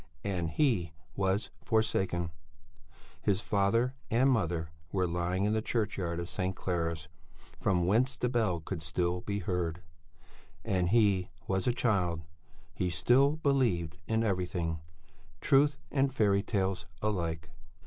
And he was forsaken; his father and mother were lying in the churchyard of St. Clara's, from whence the bell could still be heard; and he was a child; he still believed in everything, truth and fairy tales alike.